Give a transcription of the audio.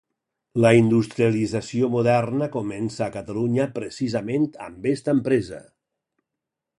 La industrialització moderna comença a Catalunya precisament amb esta empresa.